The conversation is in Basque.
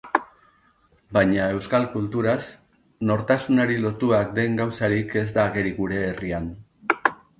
Baina euskal kulturaz, nortasunari lotuak den gauzarik ez da ageri gure herrian.